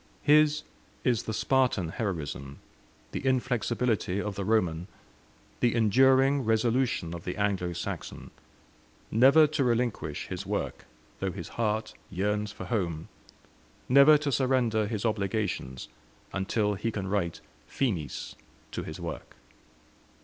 His is the Spartan heroism, the inflexibility of the Roman, the enduring resolution of the Anglo Saxon never to relinquish his work, though his heart yearns for home; never to surrender his obligations until he can write Finis to his work.